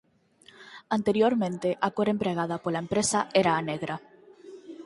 Anteriormente a cor empregada pola empresa era a negra.